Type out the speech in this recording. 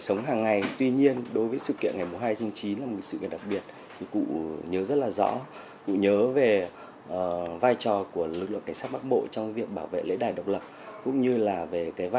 của ngày hai tháng chín chín trăm bốn mươi năm và các nhìn bao quát về vai trò của lực lượng công an nhân dân từ khi phận lập